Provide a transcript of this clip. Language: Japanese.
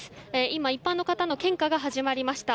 今、一般の方の献花が始まりました。